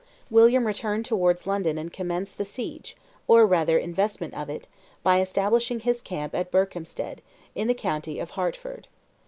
William returned towards London and commenced the siege, or rather investment of it, by establishing his camp at Berkhampstead, in the county of Hertford.